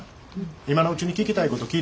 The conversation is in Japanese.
今のうちに聞きたいこと聞いとくんやて。